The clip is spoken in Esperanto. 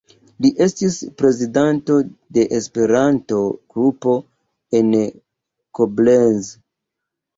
Li estis prezidanto de Esperanto-grupo en Koblenz.